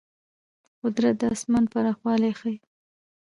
قدرت د آسمان پراخوالی ښيي.